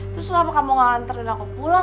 terus kenapa kamu ngantarin aku pulang